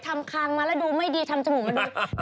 ทำคางมาล่ะดูไม่ดีทำจมูกมาดู